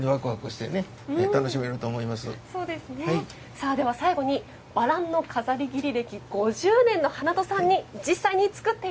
さあでは最後にバランの飾り切り歴５０年の花登さんに実際に作って頂きます。